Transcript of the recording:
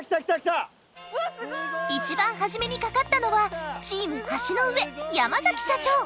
１番はじめにかかったのはチーム橋の上山崎社長！